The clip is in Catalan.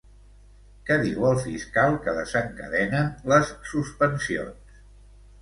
Què diu el fiscal que desencadenen les suspensions?